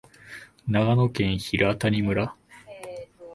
長野県平谷村